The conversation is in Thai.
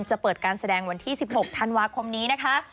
จะเปิดการแสดงวันที่๑๖ธันวาคมนี้นะคะ